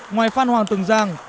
ngoài phan hoàng dường giang